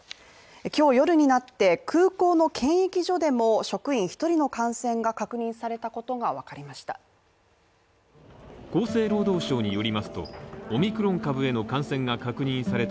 今日夜になって、空港の検疫所でも職員１人の感染が確認されたことがわかりました。